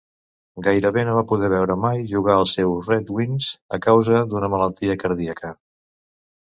Gairebé no va poder veure mai jugar els seus Red Wings a causa d'una malaltia cardíaca.